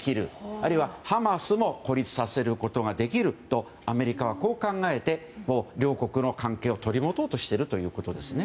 あるいはハマスも孤立させることができるとアメリカはこう考えて両国の関係を取り持とうとしているということです。